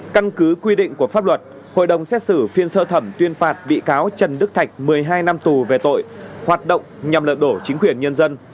căn cứ quy định của pháp luật hội đồng xét xử phiên sơ thẩm tuyên phạt bị cáo trần đức thạch một mươi hai năm tù về tội hoạt động nhằm lật đổ chính quyền nhân dân